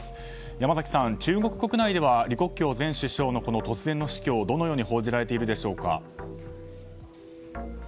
山崎さん、中国国内では李克強前首相の突然の死去、どのように報じられているでしょうか。